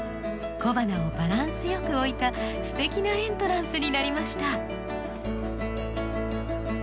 小花をバランスよく置いたすてきなエントランスになりました。